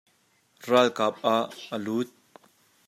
Ralkap ah a lut.